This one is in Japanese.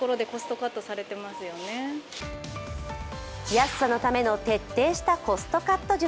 安さのための徹底したコストカット術。